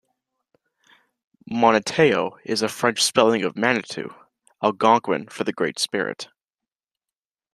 'Moniteau' is a French spelling of "Manitou," Algonquian for the Great Spirit.